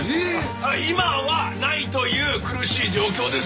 あっ今はないという苦しい状況です